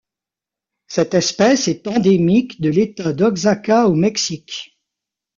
Cette espèce est endémique de l'État d'Oaxaca au Mexique.